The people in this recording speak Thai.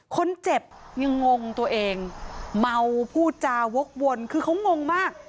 คนเจ็บยังงงตัวเองเมาพูดจาวกวนคือเขางงมาก